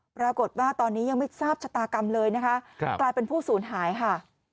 ปรากฏว่าตอนนี้ยังไม่ทราบชะตากรรมเลยนะคะกลายเป็นผู้สูญหายค่ะ